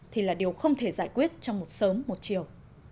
thì là điều không thể giải quyết trong một sớm một chiều